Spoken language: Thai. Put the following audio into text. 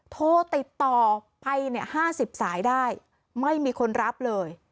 โทรติดต่อไปเนี่ยห้าสิบสายได้ไม่มีคนรับเลย